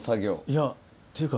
いやっていうか。